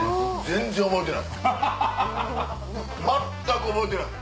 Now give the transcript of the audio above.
全く覚えてない。